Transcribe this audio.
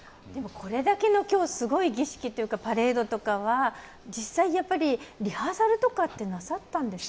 これだけのすごい儀式というかパレードとかは実際リハーサルとかってなさったんですか？